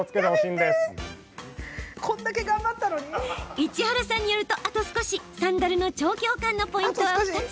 市原さんによると、サンダルの長期保管のポイントは２つ。